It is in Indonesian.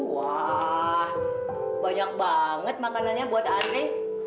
wah banyak banget makanannya buat aneh